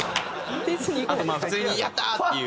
あと普通にやったー！っていう。